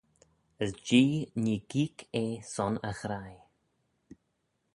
As Jee nee geeck eh son e ghraih.